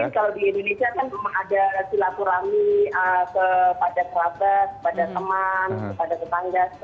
kalau di indonesia kan ada silaturahmi kepada kerabat kepada teman kepada tetangga